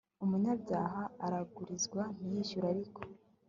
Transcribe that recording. Umunyabyaha aragurizwa ntiyishyure Ariko